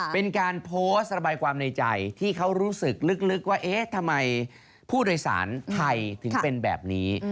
เป็นการโพสต์ระบายความในใจที่เขารู้สึกลึกว่าเอ๊ะทำไมผู้โดยสารไทยถึงเป็นแบบนี้